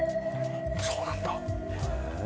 そうなんだ。